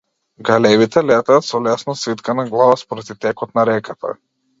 Галебите летаат со лесно свиткана глава спроти текот на реката.